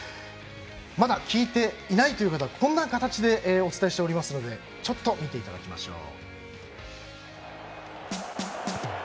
まだ聞いていないという方はこんな形でお伝えしておりますのでちょっと見ていただきましょう。